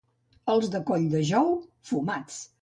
Els de Colldejou, fumats.